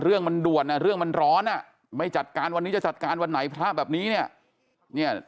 เรื่องมันด่วนอ่ะเรื่องมันร้อนอ่ะไม่จัดการวันนี้จะจัดการวันไหนพระแบบนี้เนี่ย